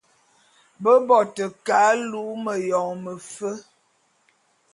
Be bo te ke alu'u meyone mefe.